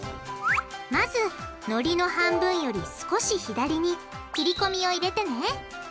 まずのりの半分より少し左に切り込みを入れてね。